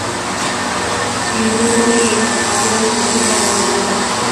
شعرونو یې انتقادي او اصلاحي بڼه درلوده.